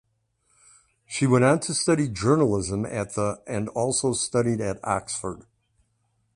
She went on to study journalism at the and also studied at Oxford.